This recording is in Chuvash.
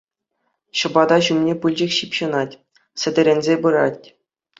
Ҫӑпата ҫумне пылчӑк ҫыпҫӑнать, сӗтӗрӗнсе пырать.